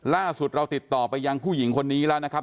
ล่าสุดเราติดต่อไปยังผู้หญิงคนนี้แล้วนะครับ